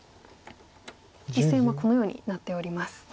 実戦はこのようになっております。